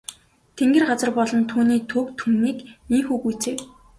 Тэнгэр газар болон түүний түг түмнийг ийнхүү гүйцээв.